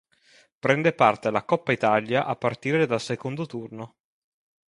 Prende parte alla Coppa Italia a partire dal secondo turno.